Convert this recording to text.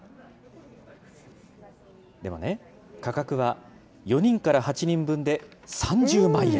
でもね、価格は４人から８人分で３０万円。